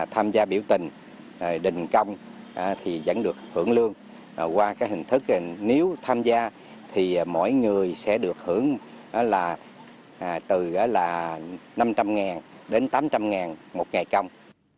tham gia biểu tình đình công thì vẫn được hưởng lương qua cái hình thức nếu tham gia thì mỗi người sẽ được hưởng là từ năm trăm linh đến tám trăm linh một ngày công